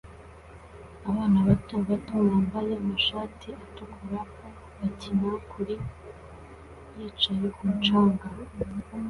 Abana bato bato bambaye amashati atukura bakina kuri yicaye kumu canga